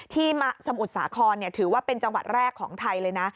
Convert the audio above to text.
สมุทรสาครถือว่าเป็นจังหวัดแรกของไทยเลยนะ